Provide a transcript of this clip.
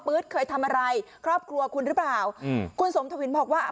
เคยทำอะไรครอบครัวคุณหรือเปล่าอืมคุณสมทวินบอกว่า